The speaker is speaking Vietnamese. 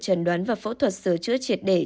trần đoán vào phẫu thuật sửa chữa triệt để